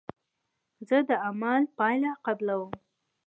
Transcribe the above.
زه د عمل پایله قبلوم.